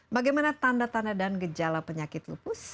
bagaimana tanda tanda dan gejala penyakit lupus